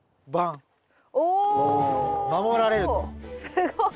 すごい。